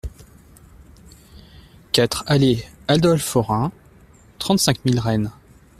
quatre allée Adolphe Orain, trente-cinq mille Rennes